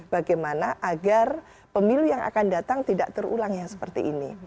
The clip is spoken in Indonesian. bagaimana agar pemilu yang akan datang tidak terulang yang seperti ini